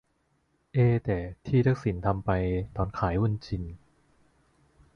เอ แต่ที่ทักษิณทำไปตอนขายหุ้นชิน